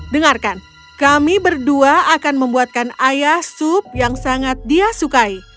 dengarkan kami berdua akan membuatkan ayah sup yang sangat dia sukai